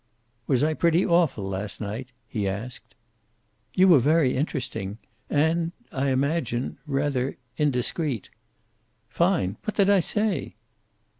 "Was I pretty awful last night?" he asked. "You were very interesting. And I imagine rather indiscreet." "Fine! What did I say?"